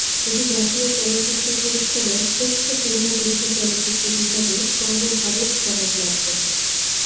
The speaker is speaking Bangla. এটি জাতীয় চলচ্চিত্র পুরস্কারে শ্রেষ্ঠ পূর্ণদৈর্ঘ্য চলচ্চিত্র বিভাগে সর্ব ভারত সনদ লাভ করে।